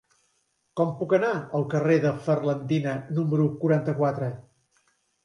Com puc anar al carrer de Ferlandina número quaranta-quatre?